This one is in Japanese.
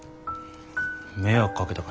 迷惑かけたから。